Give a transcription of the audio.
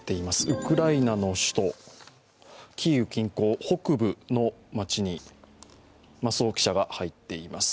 ウクライナの首都キーウ近郊北部の街に増尾記者が入っています。